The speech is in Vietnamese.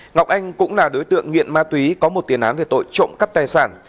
ngọc anh cũng là đối tượng nghiện ma túy có một tiền án về tội trộm cắp tài sản